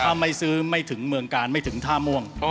ถ้าไม่ซื้อไม่ถึงเมืองกาลไม่ถึงท่าม่วง